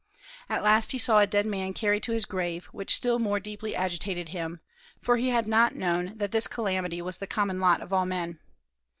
At last he saw a dead man carried to his grave, which still more deeply agitated him, for he had not known that this calamity was the common lot of all men.